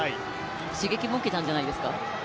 刺激も受けたんじゃないですか？